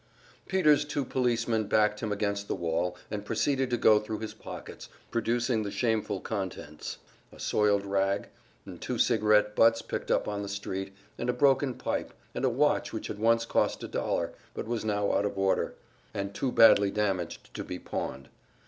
Peter's two policemen backed him against the wall and proceeded to go thru his pockets, producing the shameful contents a soiled rag, and two cigarette butts picked up on the street, and a broken pipe, and a watch which had once cost a dollar, but was now out of order, and too badly damaged to be pawned.